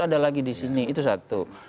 ada lagi di sini itu satu